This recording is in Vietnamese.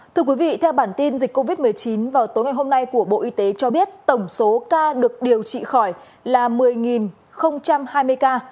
thưa quý vị theo bản tin dịch covid một mươi chín vào tối ngày hôm nay của bộ y tế cho biết tổng số ca được điều trị khỏi là một mươi hai mươi ca